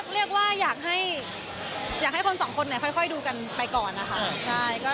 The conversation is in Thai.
เรียกว่าอยากให้คนสองคนค่อยดูกันไปก่อนนะคะ